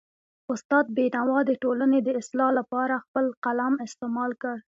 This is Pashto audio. استاد بینوا د ټولنې د اصلاح لپاره خپل قلم استعمال کړ.